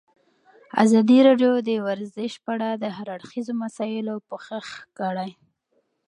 ازادي راډیو د ورزش په اړه د هر اړخیزو مسایلو پوښښ کړی.